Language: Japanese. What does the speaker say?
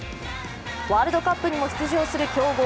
ワールドカップにも出場する強豪